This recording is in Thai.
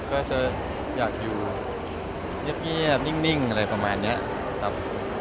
ก็จะอยากอยู่เงียบนิ่งอะไรประมาณนี้ครับ